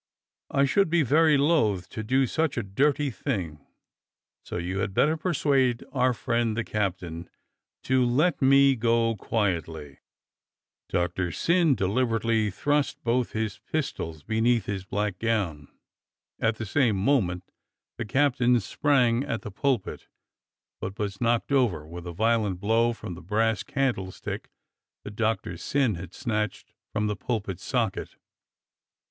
I should be very loath to do such a dirty thing, so you had better persuade our friend the captain to let me go quietly." Doctor Syn deliberately thrust both his pistols be neath his black gown; at the same moment the captain sprang at the pulpit, but was knocked over with a violent blow from the brass candlestick that Doctor Syn had snatched from the pulpit socket.